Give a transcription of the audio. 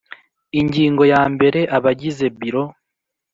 Ingingo yambere Abagize Biro